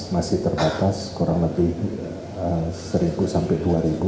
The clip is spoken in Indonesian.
masih terbatas kurang lebih seribu sampai dua ribu